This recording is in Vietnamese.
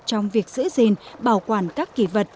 trong việc giữ gìn bảo quản các kỳ vật